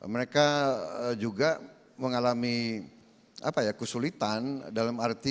mereka juga mengalami kesulitan dalam arti